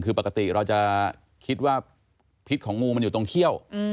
คือปกติเราจะคิดว่าพิษของงูมันอยู่ตรงเขี้ยว